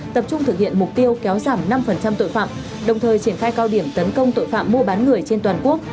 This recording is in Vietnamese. tập trung thực hiện mục tiêu kéo giảm năm tội phạm đồng thời triển khai cao điểm tấn công tội phạm mua bán người trên toàn quốc